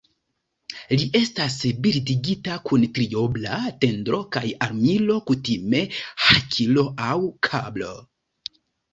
Li estas bildigita kun triobla tondro kaj armilo, kutime hakilo aŭ kablo.